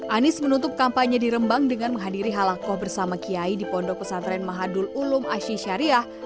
anis menutup kampanye di rembang dengan menghadiri halakoh bersama kiai di pondok pesantren mahadul ulum asy syariah